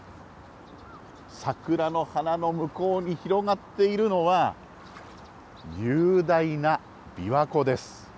桜の花の向こうに広がっているのは、雄大なびわ湖です。